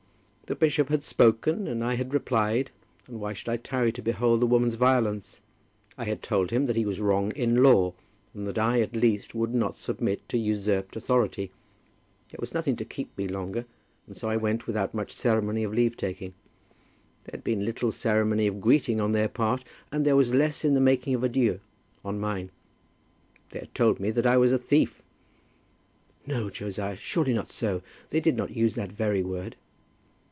The bishop had spoken, and I had replied; and why should I tarry to behold the woman's violence? I had told him that he was wrong in law, and that I at least would not submit to usurped authority. There was nothing to keep me longer, and so I went without much ceremony of leave taking. There had been little ceremony of greeting on their part, and there was less in the making of adieux on mine. They had told me that I was a thief " "No, Josiah, surely not so? They did not use that very word?"